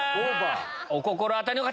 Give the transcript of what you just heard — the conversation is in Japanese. お心当たりの方！